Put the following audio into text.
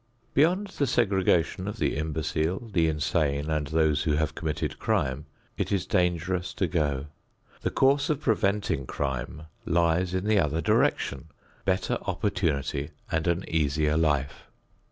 Beyond the segregation of the imbecile, the insane and those who have committed crime, it is dangerous to go. The course of preventing crime lies in the other direction, better opportunity and an easier life.